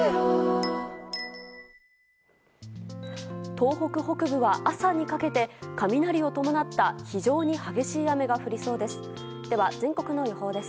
東北北部は朝にかけて雷を伴った非常に激しい雨が降りそうです。